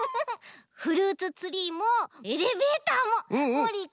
フルーツツリーもエレベーターももりいくんの